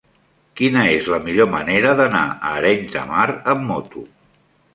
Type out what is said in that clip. Quina és la millor manera d'anar a Arenys de Mar amb moto?